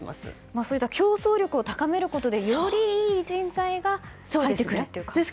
そういった競争力を高めることでよりいい人材が入ってくるということですね。